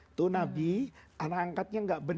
itu nabi anak angkatnya tidak berubah